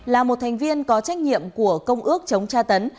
là một thành viên có trách nhiệm của công ước chống tra tấn